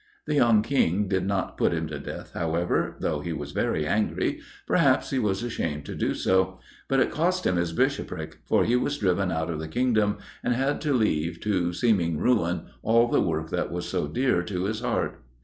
The young King did not put him to death, however, though he was very angry perhaps he was ashamed to do so but it cost him his Bishopric, for he was driven out of the Kingdom, and had to leave to seeming ruin all the work that was so dear to his heart.